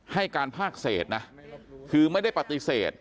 ให้การภาคเศษนะคือไม่ได้ปฏิเสธ